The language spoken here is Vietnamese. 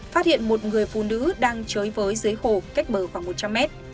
phát hiện một người phụ nữ đang chơi với dưới hồ cách bờ khoảng một trăm linh mét